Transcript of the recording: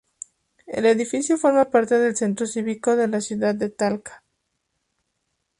El edificio forma parte del centro cívico de la ciudad de Talca.